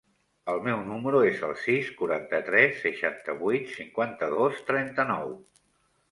El meu número es el sis, quaranta-tres, seixanta-vuit, cinquanta-dos, trenta-nou.